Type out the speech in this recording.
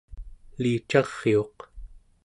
elicariuq